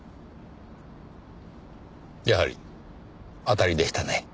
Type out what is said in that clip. やはり当たりでしたね。